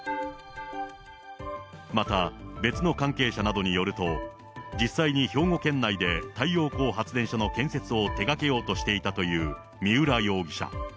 また別の関係者などによると、実際に兵庫県内で太陽光発電所の建設を手がけようとしていたという三浦容疑者。